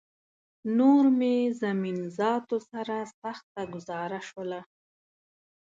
نور مې زمین ذاتو سره سخته ګوزاره شوله